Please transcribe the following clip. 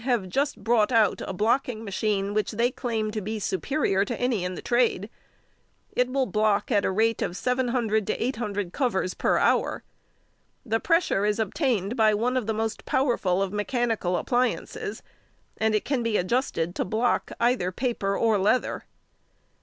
have just brought out a blocking machine, which they claim to be superior to any in the trade. It will block at the rate of 700 to 800 covers per hour. The pressure is obtained by one of the most powerful of mechanical appliances, and it can be adjusted to block either paper or leather.